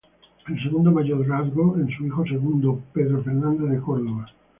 El segundo mayorazgo, en su hijo segundo, Pedro Fernández de Córdoba.